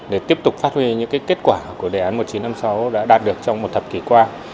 để tiếp tục phát huy những kết quả của đề án một nghìn chín trăm năm mươi sáu đã đạt được trong một thập kỷ qua